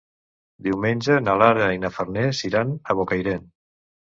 Diumenge na Lara i na Farners iran a Bocairent.